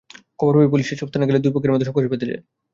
খবর পেয়ে পুলিশ সেসব স্থানে গেলে দুই পক্ষের মধ্যে সংঘর্ষ বেধে যায়।